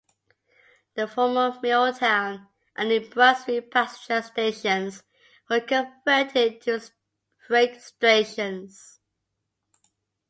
The former Milltown and New Brunswick passenger stations were converted to freight stations.